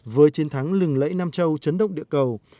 với chiến thắng lừng lẫy nam châu chấn động địa cầu